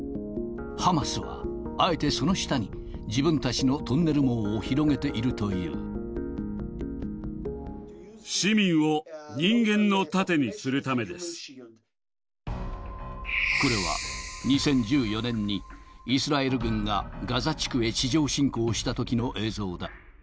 ハマスは、あえてその下に自分たちのトンネル網を広げているとい市民を人間の盾にするためでこれは２０１４年に、イスラエル軍がガザ地区へ地上侵攻したときの映像だ。